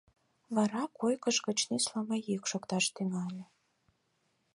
Вара койкыж гыч нюслымо йӱк шокташ тӱҥале.